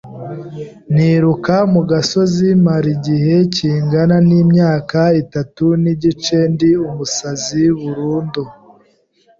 niruka mu gasozi mara igihe kingana n’imyaka itatu n’igice ndi umusazi burundu